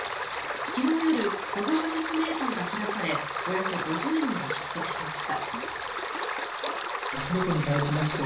昨日夜、保護者説明会が開かれおよそ５０人が出席しました。